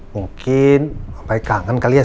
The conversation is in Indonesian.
mungkin om baik kangen kali ya sih